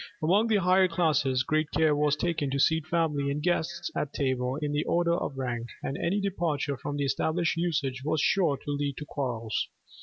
Among the higher classes great care was taken to seat family and guests at table in the order of rank; and any departure from the established usage was sure to lead to quarrels.